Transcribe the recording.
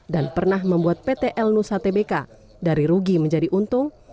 dan pernah membuat pt elnusa tbk dari rugi menjadi untung